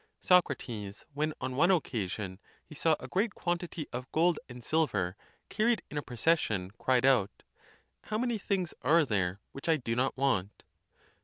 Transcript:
Socrates, when on one occasion he saw a great quantity of gold and silver carried in a pro cession, cried out, How many things are there which I do not want!"